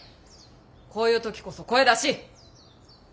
こういう時こそ声出し！